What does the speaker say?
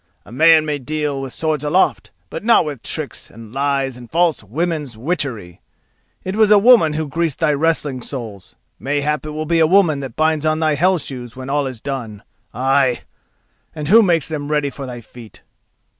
A man may deal with swords aloft, but not with tricks, and lies, and false women's witchery. It was a woman who greased thy wrestling soles; mayhap it will be a woman that binds on thy Hell shoes when all is done—ay! and who makes them ready for thy feet."